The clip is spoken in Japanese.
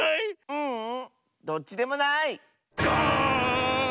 ううんどっちでもない！ガーン！